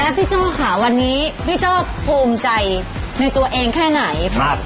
พี่โจ้ค่ะวันนี้พี่โจ้ภูมิใจในตัวเองแค่ไหน